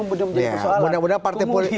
menjadi masalah mudah mudahan partai politik